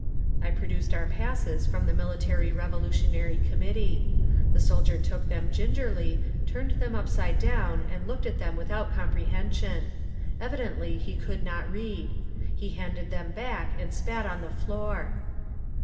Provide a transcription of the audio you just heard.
I produced our passes from the Military Revolutionary Committee. The soldier took them gingerly, turned them upside down and looked at them without comprehension. Evidently he could not read. He handed them back and spat on the floor.